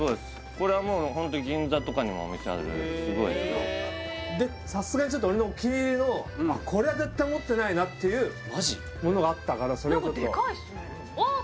これはもう銀座とかにもお店あるすごいでさすがに俺の気に入りのこれは絶対持ってないなっていうものがあったからそれをちょっと何かデカいですねああ